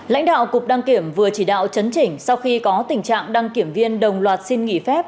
lãnh đạo cục đăng kiểm vừa chỉ đạo chấn chỉnh sau khi có tình trạng đăng kiểm viên đồng loạt xin nghỉ phép